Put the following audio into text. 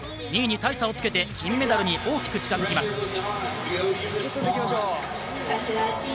２位に大差をつけて金メダルに大きく近づきます。